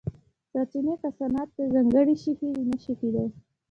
سرچینې که صنعت ته ځانګړې شي هیلې نه شي کېدای.